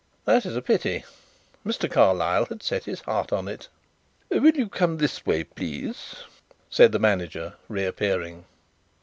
"That is a pity; Mr. Carlyle had set his heart on it." "Will you come this way, please?" said the manager, reappearing.